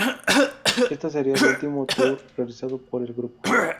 Este sería el último tour realizado por el grupo.